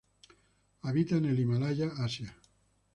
Habita en el Himalaya Asia.